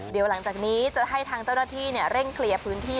เดี๋ยวหลังจากนี้จะให้ทางเจ้าหน้าที่เร่งเคลียร์พื้นที่